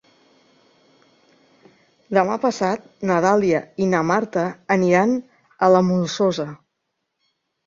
Demà passat na Dàlia i na Marta aniran a la Molsosa.